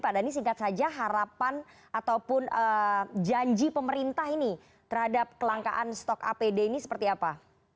pak dhani singkat saja harapan ataupun janji pemerintah ini terhadap kelangkaan stok apd ini seperti apa